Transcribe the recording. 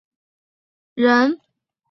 就是那种脾气的人